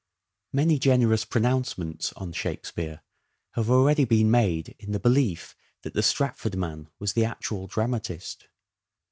Many generous pronouncements on " Shakespeare " have already been made in the belief that the Stratford man was the actual dramatist.